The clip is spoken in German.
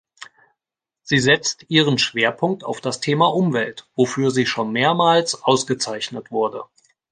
Sie setzt ihren Schwerpunkt auf das Thema Umwelt, wofür sie schon mehrmals ausgezeichnet wurde.